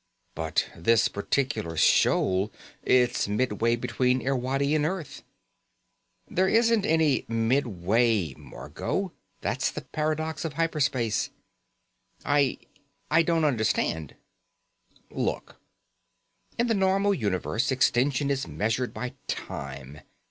"But this particular shoal it's midway between Irwadi and Earth?" "There isn't any 'midway,' Margot. That's the paradox of hyper space." "I I don't understand." "Look. In the normal universe, extension is measured by time.